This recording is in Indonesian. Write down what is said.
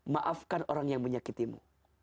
maafkan orang yang menyakitimu